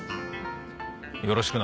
よろしくな。